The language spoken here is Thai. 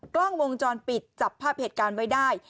กล้องวงจรปิดจับภาพเหตุการณ์ไว้ได้